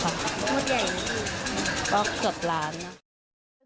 ก็เกือบล้านนะ